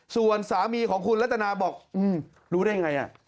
ส่วนสามีของคุณรัตนาบอกรู้ได้ไง